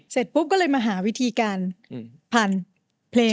เสร็จปุ๊บก็เลยมาหาวิธีการผ่านเพลง